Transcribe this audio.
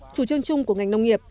chủ trương chung của ngành nông nghiệp